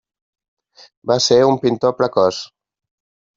Va ser un pintor precoç.